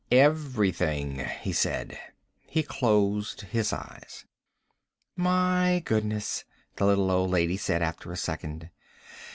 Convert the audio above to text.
"Everything," he said. He closed his eyes. "My goodness," the little old lady said after a second.